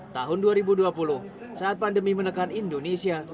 tahun dua ribu dua puluh saat pandemi menekan indonesia